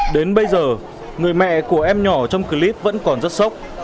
đến bây giờ người mẹ của em nhỏ trong clip vẫn còn rất sốc